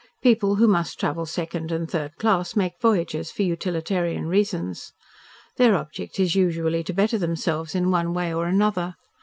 People who must travel second and third class make voyages for utilitarian reasons. Their object is usually to better themselves in one way or another.